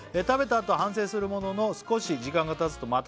「食べたあと反省するものの少し時間がたつと」